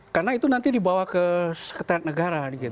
karena itu nanti dibawa ke sekretariat negara